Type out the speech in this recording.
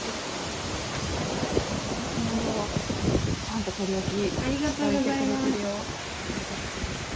こちらのちゃんと取り置きしといてくれてるよ